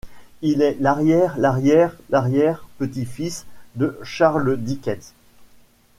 Il est l'arrière-arrière-arrière-petit-fils de Charles Dickens.